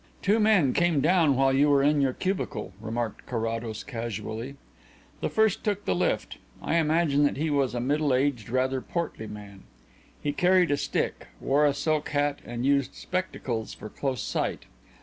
"Two men came down while you were in your cubicle," remarked Carrados casually. "The first took the lift. I imagine that he was a middle aged, rather portly man. He carried a stick, wore a silk hat, and used spectacles for close sight.